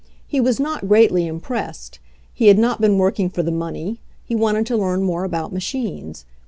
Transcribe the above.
He was not greatly impressed. He had not been working for the money ; he wanted to learn more about machines.